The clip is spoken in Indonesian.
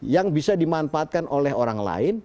yang bisa dimanfaatkan oleh orang lain